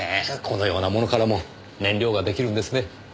このようなものからも燃料が出来るんですね。